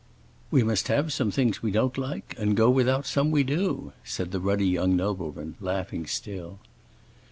"We must have some things we don't like, and go without some we do," said the ruddy young nobleman, laughing still.